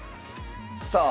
さあ